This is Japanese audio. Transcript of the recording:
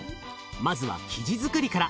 まずは生地づくりから。